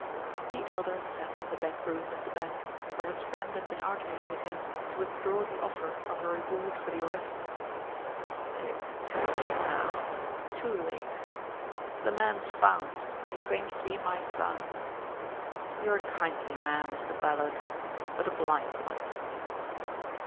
The Elder sat in the back room at the bank, where his friend had been arguing with him to withdraw the offer of a reward for the arrest. "It's too late, now too late. The man's found and he claims to be my son. You're a kindly man, Mr. Ballard, but a blind one."